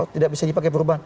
tidak bisa dipakai perubahan